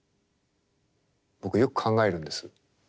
僕よく考えるんです。